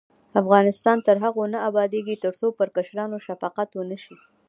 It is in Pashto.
افغانستان تر هغو نه ابادیږي، ترڅو پر کشرانو شفقت ونشي.